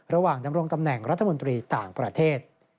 ดำรงตำแหน่งรัฐมนตรีต่างประเทศ